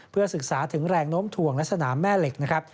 เพื่อศึกษาถึงแรงโน้มถ่วงและสนามแม่เหล็กนะครับ